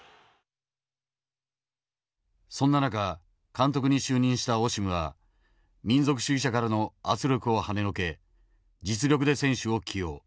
そんな中監督に就任したオシムは民族主義者からの圧力をはねのけ実力で選手を起用。